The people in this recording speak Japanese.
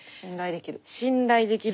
信頼できる。